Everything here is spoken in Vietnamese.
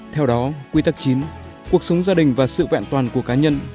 theo đó quy tắc chín cuộc sống gia đình và sự vẹn toàn của cá nhân